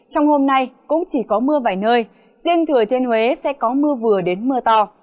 trong hôm nay cũng chỉ có mưa vài nơi riêng thừa thiên huế sẽ có mưa vừa đến mưa to